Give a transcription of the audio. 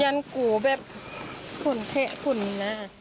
ยันกูแบบขุนเข้ะขุนหน้า